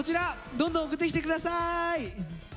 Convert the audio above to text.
どんどん送ってきて下さい！